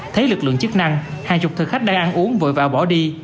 thấy lực lượng chức năng hàng chục thực khách đang ăn uống vội và bỏ đi